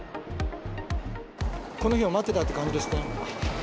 この日を待ってたって感じですね。